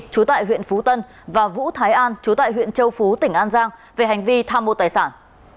trú tại huyện phú tân và vũ thái an chú tại huyện châu phú tỉnh an giang về hành vi tham mô tài sản